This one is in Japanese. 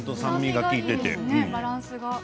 バランスが。